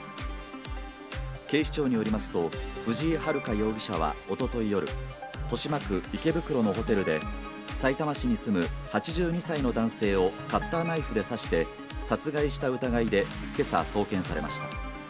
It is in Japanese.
警視庁によりますと、藤井遙容疑者はおととい夜、豊島区池袋のホテルで、さいたま市に住む８２歳の男性をカッターナイフで刺して殺害した疑いで、けさ送検されました。